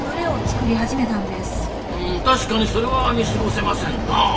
うん確かにそれは見過ごせませんな。